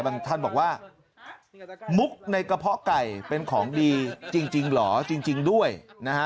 ท่านบอกว่ามุกในกระเพาะไก่เป็นของดีจริงเหรอจริงด้วยนะฮะ